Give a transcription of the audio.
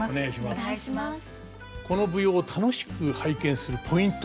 この舞踊を楽しく拝見するポイント